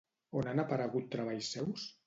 On han aparegut treballs seus?